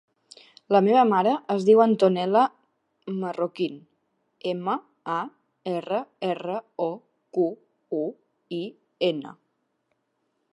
La meva mare es diu Antonella Marroquin: ema, a, erra, erra, o, cu, u, i, ena.